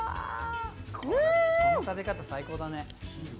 その食べ方、最高だね。